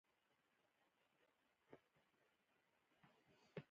سمندر نه شتون د افغانستان د اقلیم یوه بله ډېره مهمه طبیعي ځانګړتیا ده.